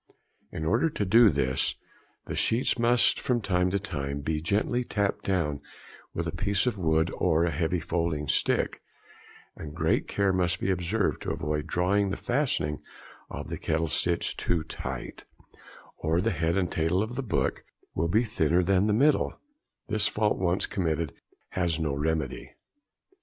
In order to do this, the sheets must from time to time be gently tapped down with a piece of wood or a heavy folding stick, and great care must be observed to avoid drawing the fastening of the kettle stitch too tight, or the head and tail of the book will be thinner than the middle; this fault once committed has no remedy.